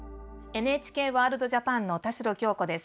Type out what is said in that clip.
「ＮＨＫワールドＪＡＰＡＮ」の田代杏子です。